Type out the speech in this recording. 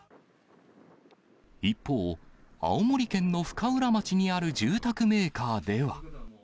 一方、青森県の深浦町にある住宅メーカーでは。